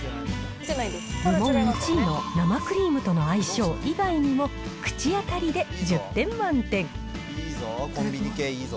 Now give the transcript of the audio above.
部門１位の生クリームとの相性以外にも、口当たりで１０点満点。